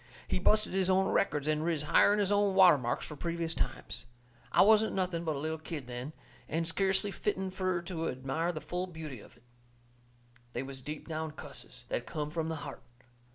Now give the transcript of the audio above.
He busted his own records and riz higher'n his own water marks for previous times. I wasn't nothing but a little kid then, and skeercly fitten fur to admire the full beauty of it. They was deep down cusses, that come from the heart.